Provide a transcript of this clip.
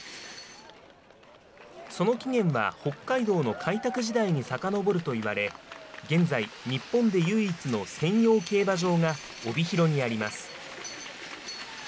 その起源は北海道の開拓時代にさかのぼるといわれ、現在、日本で唯一の専用競馬場が帯広にあります。